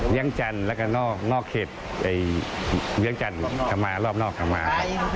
เรียงจันทร์แล้วก็นอกเหตุเรียงจันทร์กลับมารอบนอกกลับมา